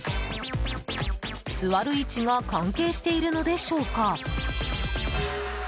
座る位置が関係しているのでしょうか？